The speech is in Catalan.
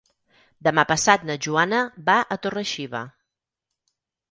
Demà passat na Joana va a Torre-xiva.